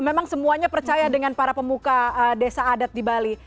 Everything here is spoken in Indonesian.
memang semuanya percaya dengan para pemuka desa adat di bali